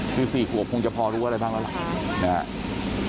คือสี่ขวบคงจะพอรู้อะไรบ้างแล้วนะฮะ